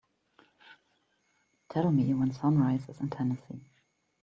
Tell me when sunrise is in Tennessee